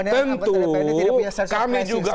tentu kami juga